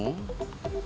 kamu akan berhasil